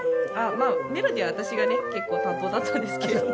まあメロディーは私がね結構担当だったんですけど。